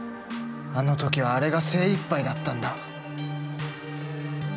あの時はあれが精いっぱいだったんだ。